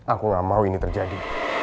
aku gak mau ini terjadi